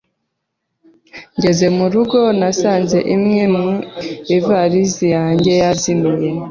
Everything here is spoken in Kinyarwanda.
Ngeze mu rugo, nasanze imwe mu ivarisi yanjye yazimiye.